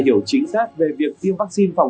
hiểu chính xác về việc tiêm vắc xin phòng